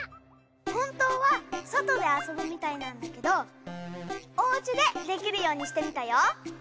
本当は外で遊ぶみたいなんだけどおうちでできるようにしてみたよ。